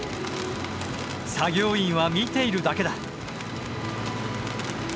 作業員は見ているだけだ。